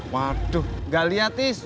waduh enggak lihat tis